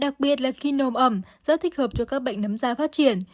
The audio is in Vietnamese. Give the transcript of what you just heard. đặc biệt là khi nồm ẩm rất thích hợp cho các bệnh nấm da phát triển